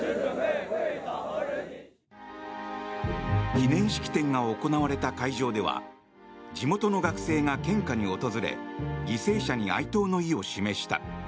記念式典が行われた会場では地元の学生が献花に訪れ犠牲者に哀悼の意を示した。